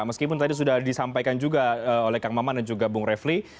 meskipun tadi sudah disampaikan juga oleh kang maman dan juga bung refli